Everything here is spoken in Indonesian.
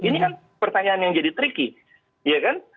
ini kan pertanyaan yang jadi tricky